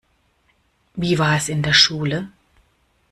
Wie war es in der Schule?